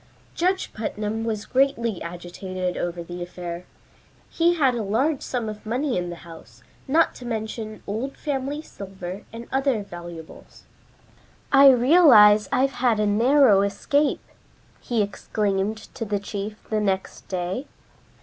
Judge Putnam was greatly agitated over the affair. He had a large sum of money in the house, not to mention old family silver and other valuables. "I realize I've had a narrow escape," he exclaimed to the chief the next day.